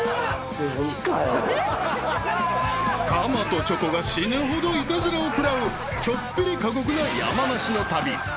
［かまとチョコが死ぬほどイタズラを食らうちょっぴり過酷な山梨の旅］